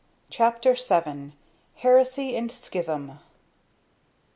CHAPTER VII. HERESY AND SCHISM.